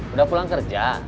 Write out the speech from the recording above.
udah pulang kerja